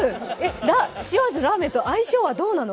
塩味のラーメンと相性はどうなの？